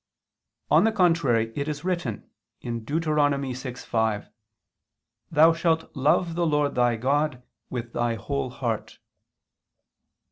On the contrary, It is written (Deut. 6:5): "Thou shalt love the Lord thy God with thy whole heart."